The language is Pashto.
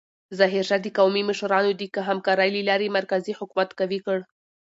ظاهرشاه د قومي مشرانو د همکارۍ له لارې مرکزي حکومت قوي کړ.